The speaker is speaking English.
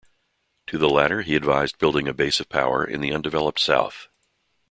To the latter, he advised building a base of power in the undeveloped south.